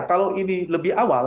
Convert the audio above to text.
kalau ini lebih awal